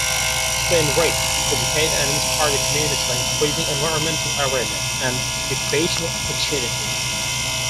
To enrich, educate and inspire the community by increasing environmental awareness and recreational opportunities.